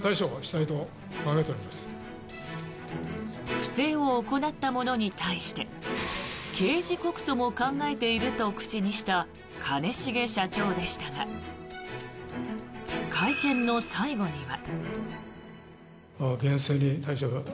不正を行った者に対して刑事告訴も考えていると口にした兼重社長でしたが会見の最後には。